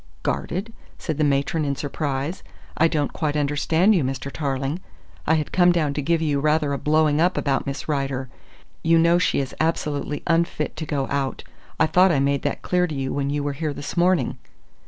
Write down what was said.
"Guarded?" said the matron in surprise. "I don't quite understand you, Mr. Tarling. I had come down to give you rather a blowing up about Miss Rider. You know she is absolutely unfit to go out. I thought I made that clear to you when you were here this morning?"